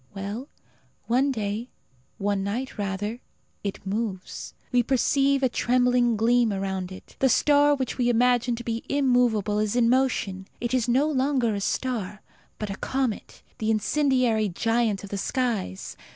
Well, one day one night, rather it moves. We perceive a trembling gleam around it. The star which we imagined to be immovable is in motion. It is no longer a star, but a comet the incendiary giant of the skies.